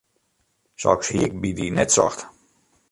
Soks hie ik by dy net socht.